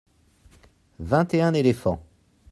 Vingt et un éléphants.